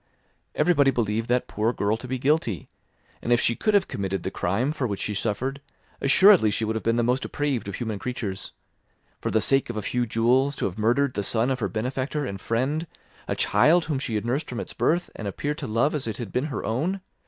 Everybody believed that poor girl to be guilty; and if she could have committed the crime for which she suffered, assuredly she would have been the most depraved of human creatures. For the sake of a few jewels, to have murdered the son of her benefactor and friend, a child whom she had nursed from its birth, and appeared to love as if it had been her own!